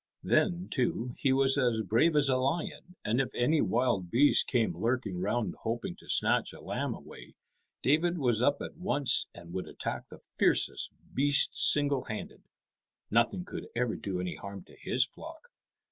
Then, too, he was as brave as a lion, and if any wild beast came lurking round hoping to snatch a lamb away, David was up at once and would attack the fiercest beast single handed. Nothing could ever do any harm to his flock.